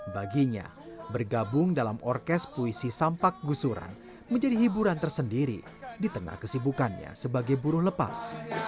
baginya bergabung dalam orkes puisi sampak gusuran menjadi hiburan tersendiri di tengah kesibukannya sebagai buruh lepas